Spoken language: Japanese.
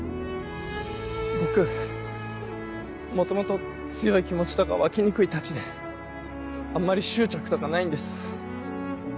僕元々強い気持ちとか湧きにくいたちであんまり執着とかないんです。